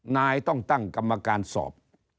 นายต้องตั้งกรรมการสอบ